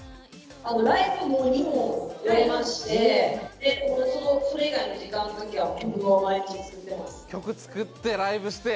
ライブも２本やりまして、それ以外の時間の時は曲を作ってました。